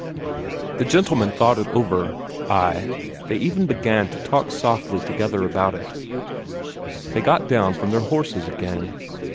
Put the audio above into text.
The gentlemen thought it over; ay, they even began to talk softly together about it; they got down from their horses again.